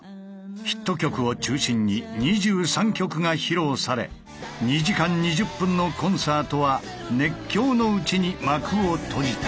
ヒット曲を中心に２３曲が披露され２時間２０分のコンサートは熱狂のうちに幕を閉じた。